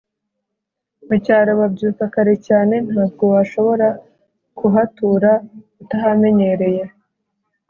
mucyaro babyuka kare cyane ntabwo washobora kuhatura utahamenyereye